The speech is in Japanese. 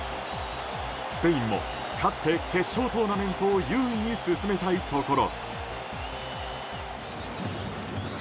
スペインも勝って決勝トーナメントを優位に進めたいところ。